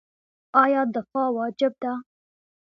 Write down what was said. آیا دفاع واجب ده؟